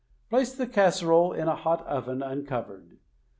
Place the casserole in a hot oven, uncovered.